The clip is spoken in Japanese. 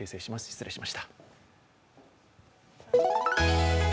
失礼しました。